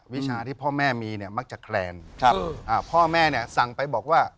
วิชาที่พ่อแม่มีเนี่ยมักจะแคลนพ่อแม่เนี่ยสั่งไปบอกว่า